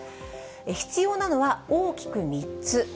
必要なのは大きく３つ。